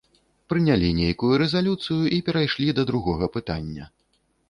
Прынялі нейкую рэзалюцыю і перайшлі да другога пытання.